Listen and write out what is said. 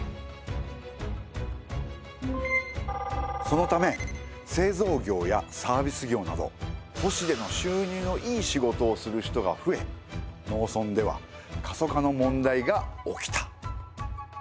そのため製造業やサービス業など都市での収入のいい仕事をする人が増え農村では過疎化の問題が起きた。